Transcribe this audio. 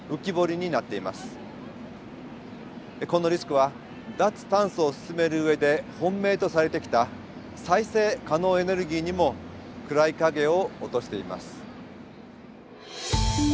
このリスクは脱炭素を進める上で本命とされてきた再生可能エネルギーにも暗い影を落としています。